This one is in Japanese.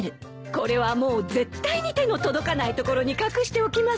これはもう絶対に手の届かない所に隠しておきます。